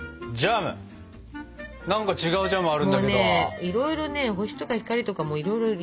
何か違うジャムあるんだけど。